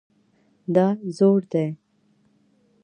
دا زوړ دی